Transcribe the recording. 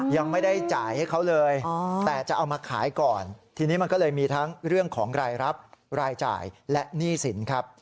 ยังไม่ได้จ่ายให้เขาเลยแต่จะเอามาขายก่อนทีนี้มันก็เลยมีทั้งเรื่องของรายรับรายจ่ายและหนี้สินครับ